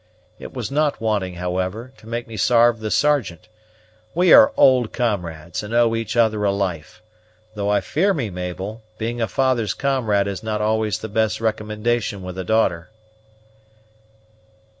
It was not wanting, however, to make me sarve the Sergeant. We are old comrades, and owe each other a life; though I fear me, Mabel, being a father's comrade is not always the best recommendation with a daughter."